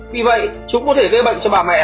vì vậy chúng có thể gây bệnh cho bà mẹ